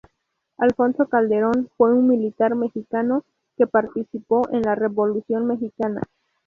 Alfonso Calderón fue un militar mexicano que participó en la Revolución mexicana.